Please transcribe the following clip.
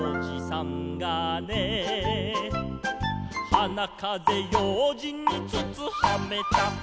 「はなかぜようじんにつつはめた」